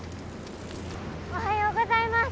おはようございます。